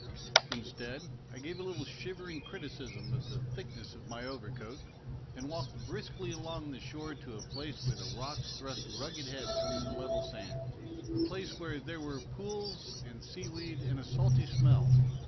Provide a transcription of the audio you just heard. Instead, I gave a little shiver in criticism of the thickness of my overcoat, and walked briskly along the shore to a place where the rocks thrust rugged heads through the level sand a place where there were pools 136 MONOLOGUES and seaweed and a salty smell.